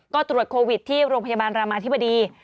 ก็ตรวจโควิดที่โรงพยาบาลรามาธิบดี